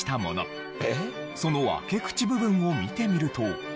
その開け口部分を見てみると。